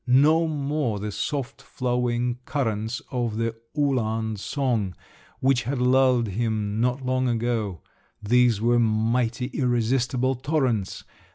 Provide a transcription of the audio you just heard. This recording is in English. No more the soft flowing currents of the Uhland song, which had lulled him not long ago … These were mighty, irresistible torrents!